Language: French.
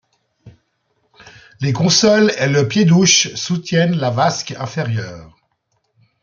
Les consoles et le piédouche soutiennent la vasque inférieure.